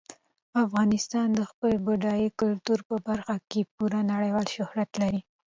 افغانستان د خپل بډایه کلتور په برخه کې پوره نړیوال شهرت لري.